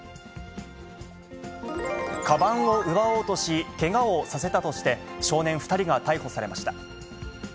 かばんを奪おうとし、けがをさせたとして、少年２人が逮捕されました。